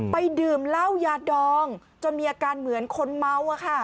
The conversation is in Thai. ดื่มเหล้ายาดองจนมีอาการเหมือนคนเมาอะค่ะ